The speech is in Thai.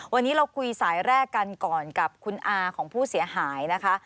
วันนี้เราคุยสายแรกกันก่อนกับคุณอาของผู้เสียหายนะคะ